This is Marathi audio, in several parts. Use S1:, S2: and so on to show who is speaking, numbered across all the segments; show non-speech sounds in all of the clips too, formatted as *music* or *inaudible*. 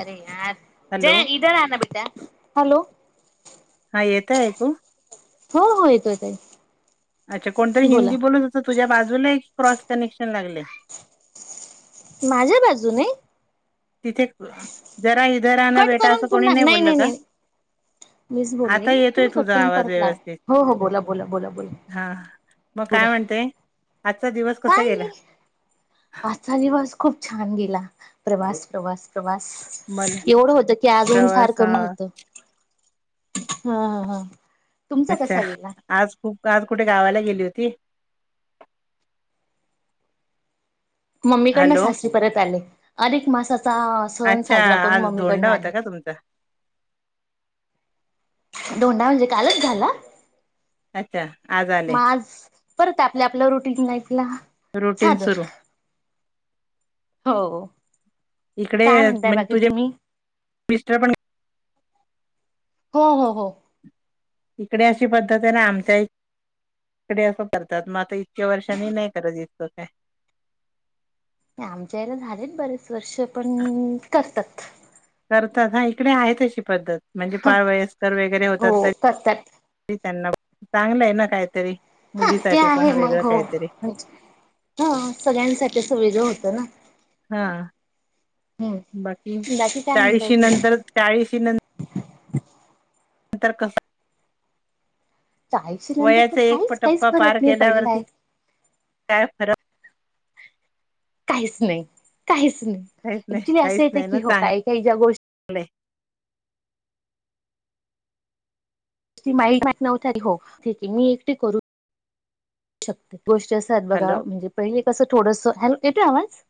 S1: आरे यार
S2: हॅलो
S1: जय इधर आना बेटा हॅलो
S2: हा येतय ऐकू?
S1: हो हो येतोयेत
S2: अच्छा कोणतरी हिंदी बोलू तुझ्या बाजूला एक क्रॉस कनेक्शन लागले
S1: माझ्या बाजूने?
S2: तिथे जरा इधर ना बेटा असं कोणी नाही बोललं का?
S1: मीच
S2: आता
S1: बोलल
S2: येतोय
S1: तुम्ही कट
S2: तुझा
S1: करून
S2: आवाज
S1: परत ला
S2: व्यवस्थित
S1: हो हो बोला बोला बोला बोला
S2: हा मग
S1: बोला
S2: काय म्हणते आ
S1: काय नाही आजचा दिवस खूप छान गेला प्रवास प्रवास प्रवास
S2: मला
S1: एवढं होत की आगळून फार
S2: प्रवास
S1: कमी
S2: हा,
S1: होत हा हा हा तुमचा
S2: अच्छा
S1: कसा गेला
S2: आज खूप आज कुठे गावाला गेली होती?
S1: मम्मीकडन
S2: हॅलो
S1: सासरी परत आले अधिक मासात चा सण
S2: अच्छा
S1: साजरा करून
S2: आज
S1: मम्मीकडन
S2: धोंडा होता
S1: आले
S2: का तुमचा
S1: दोंडा म्हणजे कालच झाला?
S2: अच्छा आज आले
S1: माज परत आपल्या आपलं रुटीन लाईफला
S2: रुटीन
S1: झालं
S2: सुरू इकडे
S1: काय म्हणताय
S2: म्हणजे
S1: बाकी
S2: तुझे
S1: तुम्ही?
S2: मिस्टर पण
S1: हो हो हो
S2: इकडे अशी पद्धत आहे ना आमच्याही इकडे असं करतात मग आता इतक्या वर्षांनी नाही करत इकं काय
S1: आमच्या याला झालेत बरेच वर्ष पण करतात.
S2: इकडे आहेत अशी पद्धत म्हणजे
S1: हा
S2: फार वयस्कर वगैरे होतात
S1: हो करतात
S2: चांगलं आहे ना काहीतरी
S1: हा ते
S2: मुलीसाठी पण
S1: आहे मग
S2: वेगळं
S1: हो
S2: काहीतरी
S1: म्हणजे ह सगळ्यांसाठी असं वेगळं होत ना
S2: हा
S1: हम्म.
S2: बाकी
S1: काय म्हणताय
S2: चाळीशी
S1: तुम्ही
S2: नंतर चाळीशी नंत अंतर कस
S1: चाळीशी नंतर तर
S2: वयाचा एक
S1: काहीच काहीच
S2: पटप्पा पार
S1: फरक नाही
S2: केल्यावरती
S1: पडलाय
S2: काय फरक
S1: काहीच नाही काहीच ना
S2: काहीच नाही
S1: ऍक्च्युली असं
S2: काहीच
S1: येतं
S2: नाही ना
S1: की हो
S2: चांगलंय
S1: काही-काही ज्या गोष्टी ती *inaudible* नव तरी हो ठीक आहे मी एकटी करू शकते गोष्टी असं आहेत बघा
S2: हॅलो
S1: म्हणजे पहिले कसं थोडसा हेल् येतो आवाज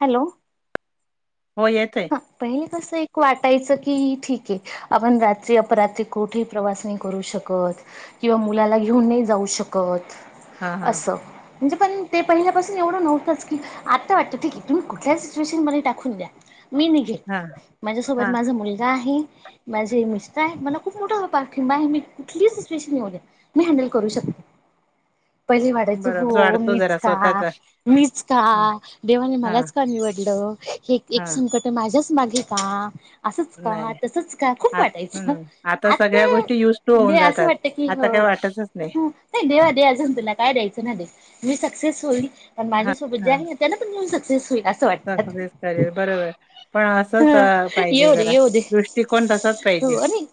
S1: हॅलो.
S2: हो येते
S1: तसं एक वाटायचं की ठीक आहे आपण रात्री अपरात्री कुठे प्रवास नाही करू शकत. किंवा मुलाला घेऊन नाही जाऊ शकत.
S2: हा हा.
S1: असं म्हणजे पण ते पहिल्यापासून एवढं नव्हतंच की आता वाटतं ठीक आहे तुम्ही कुठल्या सिच्युएशन मध्ये टाकून द्या. मी निघेल
S2: हा
S1: माझ्यासोबत
S2: हा
S1: माझा मुलगा आहे माझे मिस्टर आहे मला खूप मोठा हो पारखी बाय मी कुठली सिच्युएशन येऊ दे मी हॅडल करू शक पहिले वाढायचं
S2: बरोबर
S1: हो
S2: वाढतो
S1: मीच
S2: जरा
S1: का
S2: स्वतःचा
S1: मीच का
S2: हा
S1: देवाने
S2: हा
S1: मलाच का निवडलं? हे एक एक
S2: हा
S1: संकट माझ्याच मागे का? असच
S2: नाही
S1: का तसच का खूप
S2: आ
S1: वाटायचं
S2: हम्म सगळ्या
S1: आता
S2: गोष्टी युज टू
S1: दे
S2: होऊन
S1: असं
S2: जातात.
S1: वाटत की
S2: आता
S1: हो
S2: काय वाटतच
S1: हो नाही देवा दे अजून तुला काय द्यायचं ना दे मी स क्सेस होईल पण माझ्या सोबत जे आहे ना त्यांना पण म सक्सेस होई
S2: टाकू दे काय रे बरोबर आहे. पण असचं पाहिजे
S1: येऊ दे
S2: जरा
S1: येऊ दे
S2: दृष्टिकोण तसाच
S1: हो
S2: पाहिजे.
S1: अरे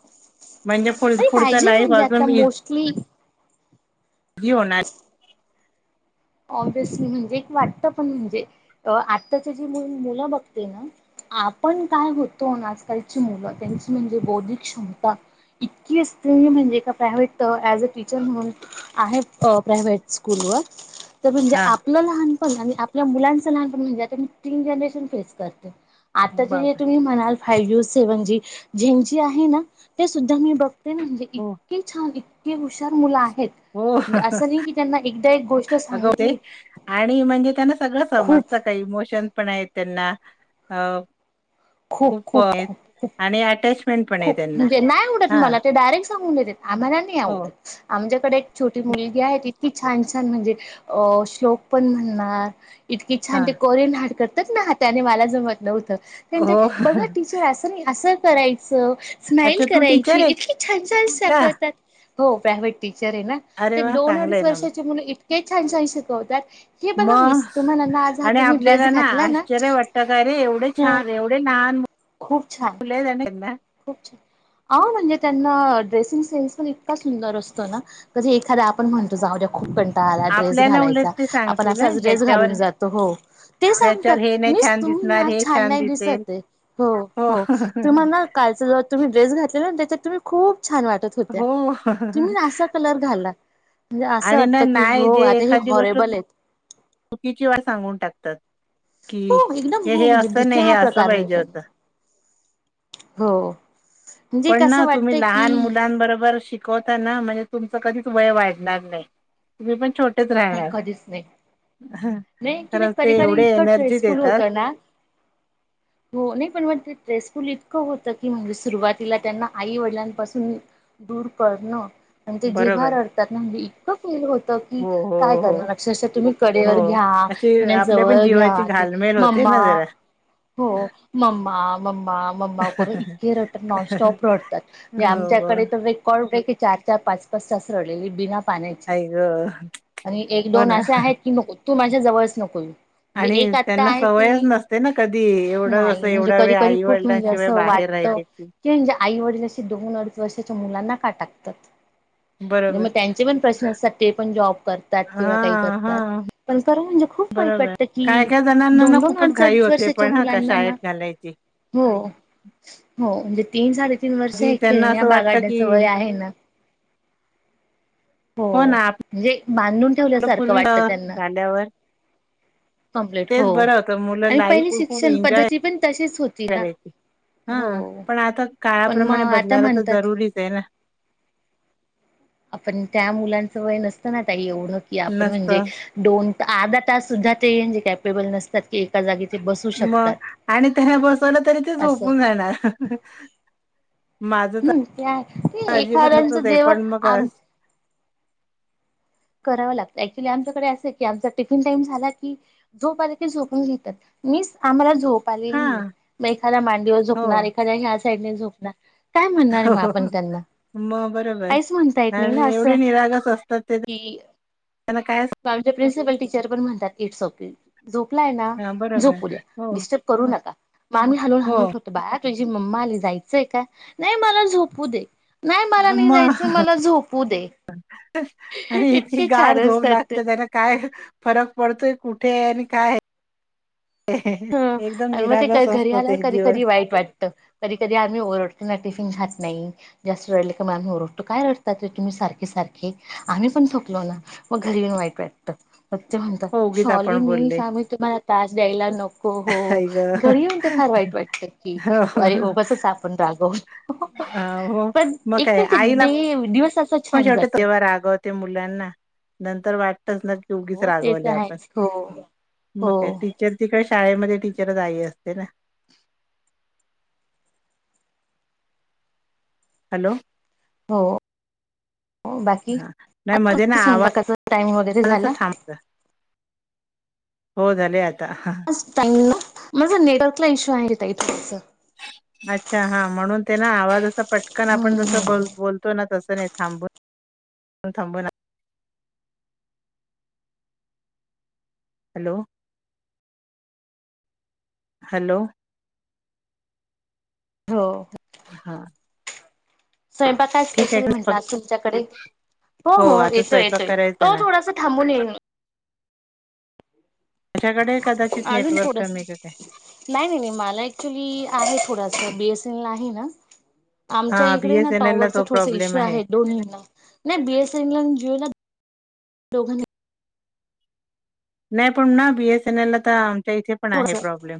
S2: म्हणजे पुढ पुढचं नाही लाइफ अजून इ
S1: ह
S2: जी होणार
S1: ऑबवियसली म्हणजे एक वाटतं पण म्हणजे आत्ताच्या जी मु मुलं बघते ना आपण काय होतो ना आजकालची मुलं त्यांची म्हणजे बौद्धिक क्षमता इतकी असते म्हणजे का प्रायव्हेट तर ऐज टीचर म्हणून आहे अ प्रायव्हेट स्कूलवर तर म्हणजे
S2: हा
S1: आपलं लहान पण आणि आपल्या मुलांचा लहानपण म्हणजे आता मी तीन जनरेशन फेस करते आताचे जे
S2: बापरे
S1: तुम्ही म्हणाल फाइव जी, सेव्हन जी ज्यांची आहे ना ते सुद्धा मी बघते ना म्हणजे
S2: हो
S1: इतके छान, इ तकी हुशार मुलं आहेत
S2: हो
S1: म्हणजे असं नाही की त्यांना एकदा एक गोष्ट
S2: अगं
S1: सांगे
S2: ते आणि म्हणजे त्यांना सगळं
S1: खूप
S2: समजतं काय इमोशन पण आहेत त्यांना अ खूप आहे आणि अटेचमेंट
S1: खूप म्हणजे नाही आवडत मला ते डायरेक्ट सांगून देते आम्हाला नाही
S2: हो
S1: आवडत. आमच्याकडे एक छोटी मुलगी आहे इतकी छान-छान म्हणजे अ श्लोक पण म्हणणार इतकी
S2: हा
S1: छान ते कोरियन हार्ट करतात ना त्याने मला जमत नव्हतं तेन ते
S2: हो
S1: बघा टीचर असं नाही असं करायचं स्माइल
S2: अच्छा तू
S1: करायची
S2: टीचर आहे
S1: इतकी छान-छान सा
S2: का
S1: करतात हो प्रायव्हेट टी चर आहे ना
S2: अरे
S1: ते
S2: वा
S1: दोन
S2: चांगलं
S1: आडीच
S2: आहे ना मग
S1: वर्षाचे मुलं इतके छान-छान शिकवतात. हे
S2: म
S1: बघा मिस तुम्हाला ना आज हा
S2: आणि
S1: तुम्ही ड्रेस
S2: आपल्याला ना
S1: घातला
S2: आश्चर्य वाटत काय रे एवढे
S1: हम
S2: छान एवढे लहान
S1: खूप छान
S2: मुले *unintelligible*
S1: खूप छान हा म्हणजे त्यांना ड्रेसिंग सेन्स पण इतका सुंदर असतो ना कधी एखाद्या आपण म्हणतो जाऊ द्या खूप कं टाळा आला ड्रेस
S2: आपल्याला उलट
S1: घालायचा
S2: ते
S1: आपण
S2: सांगतील हं
S1: असाच ड्रेस
S2: ह्याच्यावर
S1: घालून जातो हो. ते सांगतात
S2: ह्याच्यावर हे नाही
S1: मिस
S2: छान
S1: तुम्ही
S2: दिसणार
S1: ना आज
S2: हे
S1: छान नाही दिसत
S2: दिसेल
S1: आहे हो हो तुम्हा ना का लचा जो तुम्ही ड्रेस घातलेला ना त्याच्यात तुम्ही खूप छान वाटत होत्या
S2: हो
S1: तुम्ही असा कलर घाला. म्हणजे असं
S2: आणि ना
S1: वाटत की
S2: नाही
S1: हो
S2: जे
S1: आता हे
S2: एखादी गोष्ट
S1: हॉरेबल आहे.
S2: चुकीची वा सांगून टाकतात की
S1: हो एकदम
S2: हे
S1: हो
S2: हे
S1: म्हणजे
S2: असं
S1: भीती
S2: नाही हे
S1: हा
S2: असं
S1: प्रकार नाही
S2: पाहिजे होतं
S1: त्यांना. हो. म्हणजे
S2: पण
S1: कसं
S2: ना तुम्ही
S1: वाटतंय की
S2: लहान मुलांबरोबर शिक हो, त्यांना तुमचं कधीच वय वाढणार नाही, तुम्ही पण छ तिथेच
S1: नाही
S2: राहणार
S1: कधीच नाही
S2: ह.
S1: नाही, अक्चुली कधी कधी इतकं स्ट्रेसफुल होता, ना हो नाही पण मग स्ट्रेसफुल इतकं होत, की म्हणजे सुरुवातीला त्यांना आई वडिलांन पासून दूर करणं. आणि ते जेव्हा
S2: बरोबर
S1: रडतात, ना मुली इतकं फील होतं की
S2: हो हो
S1: काय
S2: हो
S1: करण अक्षरशः तुम्ही
S2: हो
S1: कडेवर ह
S2: अशी
S1: त्या
S2: आपल्या पण
S1: जवळ घ्या
S2: जीवाची
S1: ते
S2: घालमेल होते
S1: मम्मा.
S2: ना जरा.
S1: हो, मम्मा मम्मा मम्मा करून इतके र नॉनस्टॉप रडतात.
S2: हो ग
S1: त्याकडे तर रेकॉर्ड ब्रेक आहे. क चार, चार पाच, पाच तास रडलेली बिना पाहण्याची
S2: आई ग
S1: आणि एक
S2: हो
S1: दोन
S2: ना
S1: असे आहेत, की नको तू माझ्या जवळच नको येऊ. म्हणजे
S2: आणि
S1: एक आत्ता
S2: त्यांना
S1: आहे
S2: सवयच
S1: की
S2: नसते, ना कधी एवढं
S1: नाही
S2: असं
S1: म्हणजे
S2: एवढ्या
S1: कधी
S2: वेळ आईवडिलांशिवाय वेळ बाहेर. राहिले ती.
S1: ते म्हणजे, आई वडील असे दोन अडीच वर्षाच्या मुलांना का टाकतात. म्ह
S2: बरोबर
S1: मग त्यांचे पण प्रश्न असतात. ते पण जॉब करणार.
S2: हा
S1: किंवा काही
S2: हा
S1: करतात. पण खरां म्हणजे, खूप वाईट
S2: बरोबर
S1: वाटतं कि
S2: काय काय जणांना ना
S1: दोन, दोन
S2: खूपच
S1: अडिच
S2: घाई
S1: अडीच
S2: होते
S1: वर्षाच्या
S2: पण हा का
S1: मुलांना
S2: शाळेत
S1: ना
S2: घालायची
S1: हो हो. म्हणजे तीन साडेतीन वर्ष
S2: कधी
S1: हे
S2: त्यांना
S1: खेळण्या
S2: असं वाटत की
S1: बागडण्याचं वय आहे ना.
S2: हो ना.
S1: म्हणजे बांधून ठेवल्यासारखं
S2: पूर्वीं अ
S1: वाटतं त्यांना
S2: झाल्यावर.
S1: कम्प्लीट
S2: तेच
S1: हो
S2: बरं होतं मुलं
S1: आणि
S2: लाईफ
S1: पहिली
S2: व खूप
S1: शिक्षण
S2: एन्जॉय
S1: पद्धती पण तशीच होती ना
S2: करायची. हा
S1: हो
S2: पण आता
S1: पण
S2: काळाप्रमाणे
S1: मग आता
S2: बदलायला तर
S1: म्हणतात
S2: जरुरीच आहे, ना.
S1: आपण त्या मुलांचं वय नसतं, ना ताई एवढं की आपण म्हणजे
S2: नसतं
S1: दोन आर्धा तास सुद्धा ते कॅपेबल नसतात, की एका जागी ते बसू
S2: मग
S1: शकतात.
S2: आणि त्याना बसवलं तरी ते
S1: असं
S2: झोपून जाणार. *unintelligible* माझं तर
S1: हम्म त्या ते
S2: अजिबातच
S1: एखाद्यांचं
S2: *unintelligible*
S1: जेवण
S2: पण मग.
S1: आम करावं लागतं ऍक्च्युली आमच्याकडे असं आहे की, आमचा टिफिन टाइम झाला, की झोप आला की झोपून घेतात. मिस आम्हाला झोप
S2: हा
S1: आलेली आहे, मग एखाद्या मांडीवर
S2: हो
S1: झोपणार एखाद्या ह्या साईडने झोपणार. काय म्हणणार आहे? मग
S2: हो
S1: आपण त्यांना
S2: मग बरोबर
S1: काहीच म्हणता येत नाही
S2: आणि
S1: ना असं.
S2: एवढे निरागस असतात ते
S1: की.
S2: त्यांना काय
S1: आमचे प्रिन्सिपल टीचर पण म्हणतात. It's okay! झोपलाय ना
S2: हा बरोबर
S1: झोपू द्या
S2: हो
S1: डिस्टर्ब करू नका, म आम्ही हालवून हालून
S2: हो
S1: उठवतो. बाळ तुझी मम्मा आली जायचंय, का? नाही मला झोपू दे. नाही मला नाही
S2: मग
S1: जायचं, मला झोपू दे इतके छान! असतात.
S2: तर
S1: ते
S2: त्यांना काय फरक पडतोय कुठे आहे? आणि काय आहे. ह ह.
S1: आणि मग ते घरी आल्या वर कधी कधी वाईट वाटतं कधी कधी आम्ही ओरडताना टिफिन खात नाही जास्त रडले का, आम्ही ओरडतो काय रडतात. ते तुम्ही सारखे सारखे आम्ही पण थकलो ना.? मग घरी येऊन वाईट वाटतं. म ते म्हणत
S2: हो उगीच
S1: शॉली
S2: आपण
S1: मी
S2: बोलले
S1: शमी तुम्हाला तास द्यायला नको. हो
S2: काय ग
S1: घरी येऊन, ते फार वाईट वाटतं की अरे!
S2: हो
S1: उगाचचं आपण रागवतो.
S2: अ हो
S1: पण
S2: मग काय
S1: एकच
S2: आईला
S1: *unintelligible*
S2: पण शेवटे तेव्हा, रागवते मुलांना नंतर वाट *unintelligible* उगीच
S1: हो ते
S2: रागवले,
S1: तर
S2: आपण
S1: आहेच हो
S2: मग
S1: हो
S2: काय टीचरची काय शाळे मध्ये? टीचरचं आई असतं, ना. हॅलो!
S1: हो. हो बाकी,
S2: हा नाही मध्ये ना
S1: आत्ताच
S2: आवाज
S1: स्वयंपाकाचा टाइम वगैरे
S2: असं
S1: झाला.
S2: थांबत हो, झाले आज.
S1: टाईम ना माझा नेटवर्कला इश्यू आहे थोडंसं.
S2: अच्छा! हा म्हणून्, ते ना आवाज पटकन
S1: हम्म
S2: आपण
S1: हम्म
S2: जसं
S1: हम्म.
S2: बोल बोलतो, ना तसं थांबून थांबून *unintelligible* हॅलो! हॅलो!
S1: हो.
S2: हा.
S1: स्वयंपाक काय
S2: ठीक
S1: स्पेशल
S2: आहे
S1: म्हटला
S2: फक्त
S1: तुमच्याकडे? हो हो
S2: आता
S1: येतोय
S2: स्वयंपाक
S1: येतोय
S2: करायचा
S1: तो
S2: ना
S1: थोडासा थांबून येईल
S2: माझ्याकडे कदाचित
S1: अजून
S2: नेटवर्क
S1: थोडास
S2: कमी का काय
S1: नाही नाही नाही मला ऍक्च्युली आहे थोडा बीएसएल ला आहे ना
S2: हा
S1: आमच्या इकडे ना
S2: बीएसएनएल ला
S1: टॉवरचा
S2: तो
S1: थोस
S2: प्रॉब्लेम
S1: इश्यू आहे दोन्हीना नाही बीएसएनल जिओ दोघांनाही
S2: नाही पण ना बीएसएनएल ला तर इथे पण आहे
S1: थोडसा
S2: प्रॉब्लेम.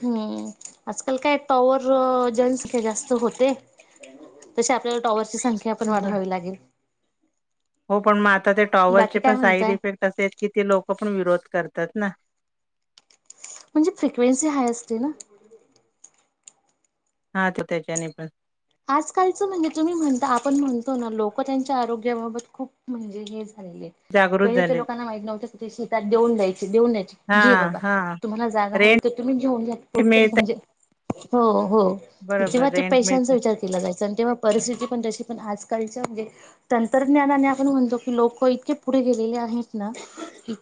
S1: हम्म. आजकाल काय टॉवर जंनसख्या जास्त होते जसे आपल्याला टॉवर संख्या पण
S2: बर
S1: वाढावी लागेल
S2: हो पण मग आता ते टॉवर चे
S1: बाकी काय
S2: पण साईड
S1: म्हणताय?
S2: इफेक्ट असे किती लोक आपण विरोध करतात ना
S1: म्हणजे फ्रिक्वेन्सी हाय असते ना
S2: हा त त्याच्याने पण
S1: आजकालचं म्हणजे तुम्ही म्हणता आपण म्हणतो ना लोक त्यांच्या आरोग्याबाबत खूप म्हणजे हे *inaudible*
S2: जागृत झाले हा हा
S1: जा हो
S2: रेंट
S1: तर तुम्ही घेऊन पुढ
S2: मिळते
S1: म्हणजे हो हो तेव्हा
S2: बरोबर
S1: तेव्हा
S2: रेंट
S1: पैशांचा
S2: मिळते
S1: विचार *inaudible* पुढे गेलेले आहेत ना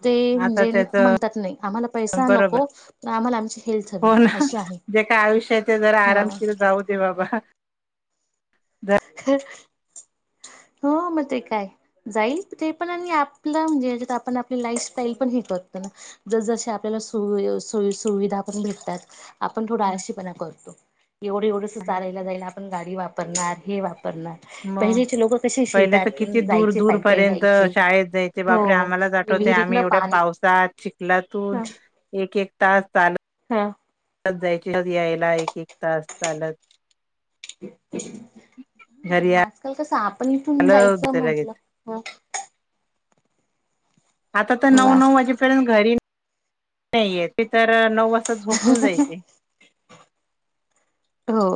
S1: ते
S2: आता
S1: म्हणजे
S2: त्याच
S1: म्हणतात नाही आम्हाला पैसा
S2: बरोबर
S1: नको आम्हाला आमची हेल्थ हवी अशी आहे
S2: एका आयुष्याचे जरा
S1: हा
S2: आरामशीर जाऊ दे बाबा
S1: *inaudible* हो मग ते काय जाईल ते पण आणि आपलं म्हणजे याच्यात आपण आपली लाईफ स्टाईल पण हे जस जस आपल्याला सोई सुविधा भेटतात आपण थोड आळशीपणा करत एवढ एवढ चाारयला जाईल आपण गाडी वापरणार हे वापरणार
S2: मग
S1: पहिलेचे लोक कसे
S2: पहिले तर किती
S1: शेतातून
S2: दूर
S1: जायचे
S2: दूर
S1: पायी पायी
S2: पर्यंत
S1: जायचे
S2: शाळेत जायचे बापरे
S1: हो
S2: आम्हालाच आठवते आम्ही
S1: विहिरीतन
S2: एवढ्या
S1: पाणी
S2: पावसा चिखलातून एक एक तास चालत जायची यायला एक एक तास चालत घरी या
S1: पण इथून जायचं म्हटलं ह
S2: आता तर नऊ
S1: वा
S2: नऊ वाजेपर्यंत घरी नाही हाय तर नऊ वाजता झोपून जायचे
S1: हो.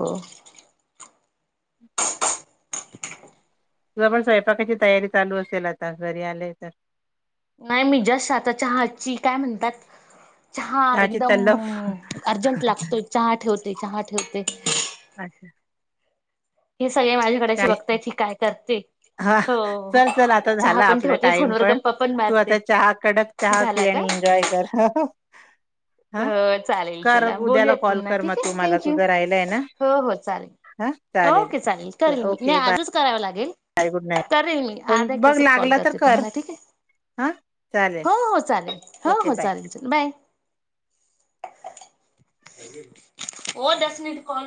S2: तु पण स्वयंपाकाची तयारी चालू असेल आता घरी आले तर
S1: नाही मी जस्ट आात चहाची आता काय म्हणतात चहा
S2: चहाची
S1: एकदम
S2: तल्लफ
S1: अर्जंट लागतोय चहा ठेवते चहा ठेवते
S2: अच्छा!
S1: हे सगळे माझ्याकडशी बघताय की काय करते
S2: हा
S1: हो
S2: चल चल आता
S1: चहा
S2: झाला
S1: पण
S2: आपला
S1: ठेवते
S2: टाइम
S1: फोनवर
S2: पण
S1: गप्पा
S2: तू
S1: मारते
S2: आता चहा कडक चहा
S1: झाला का
S2: पिणे एन्जॉय कर हा
S1: हो चालेल
S2: कर
S1: चला
S2: उद्याला
S1: बोलूयात
S2: कॉल
S1: पुन्हा
S2: कर मग
S1: ठीक
S2: तू
S1: आहे
S2: मला
S1: थँक्यू
S2: तुझ राहिलाय ना
S1: हो हो चालेल
S2: हा.
S1: ओके चालेल करेल मी नाही
S2: ओके बाय
S1: आजच कराव लागेल
S2: नाही
S1: तरे मी
S2: पण
S1: आधा एक
S2: बघ
S1: तासात कॉल
S2: लागला तर
S1: करते
S2: कर
S1: तुम्हाला ठीक आहे
S2: हा चालेल
S1: हो हो चालेल हो
S2: ओके
S1: हो
S2: बाय
S1: चालेल चालेल बाय हो दसणे दुकान